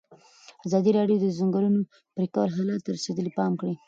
ازادي راډیو د د ځنګلونو پرېکول حالت ته رسېدلي پام کړی.